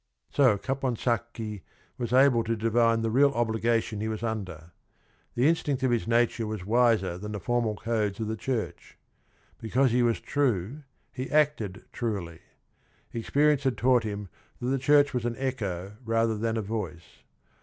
So Caponsacchi was able to divine the real obligation he was under. The instinct of his natu re was wiser than thp formal codes oL Mie church. ^^ JBecause he wa s true he acted truly, experience had taught him that the church was an echo rather than a voice.